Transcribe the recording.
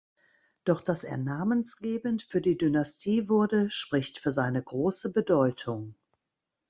Doch dass er namensgebend für die Dynastie wurde spricht für seine große Bedeutung.